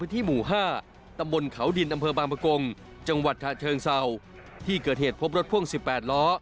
ที่หมู่๕ตำบลเขาดินอำเภอบางประกงจังหวัดฉะเชิงเศร้าที่เกิดเหตุพบรถพ่วง๑๘ล้อ